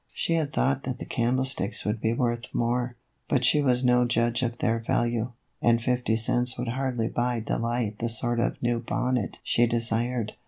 She had thought that the Il8 THE EVOLUTION OF A BONNET. candlesticks would be worth more ; but she was no judge of their value, and fifty cents would hardly buy Delight the sort of new bonnet she desired.